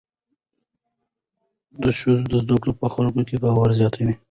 د ښوونځي زده کړې په خلکو کې باور زیاتوي.